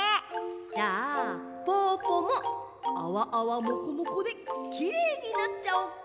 じゃあぽぅぽもあわあわもこもこできれいになっちゃおっか！